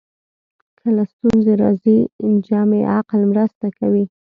کله ستونزې راځي جمعي عقل مرسته کوي